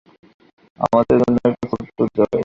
আমাদের জন্য একটা ছোট্ট জয়।